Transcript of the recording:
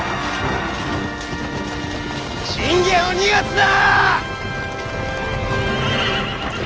信玄を逃がすな！